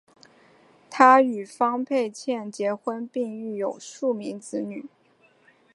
他与方佩倩结婚并育有数名子女。